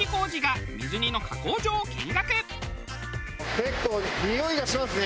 結構においがしますね。